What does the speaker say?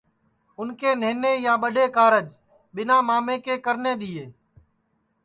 اُن کے نہنے یا ٻڈؔے کارج ٻیٹؔا مامے کے کرنے دؔیئے